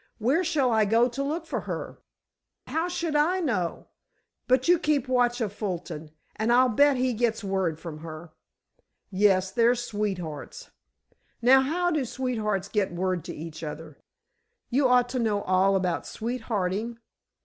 Where shall I go to look for her?" "How should I know? But you keep watch of Fulton, and I'll bet he gets some word from her." "Yes, they're sweethearts. Now, how do sweethearts get word to each other? You ought to know all about sweethearting."